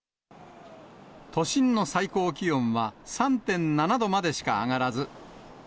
都心の最高気温は３．７度までしか上がらず。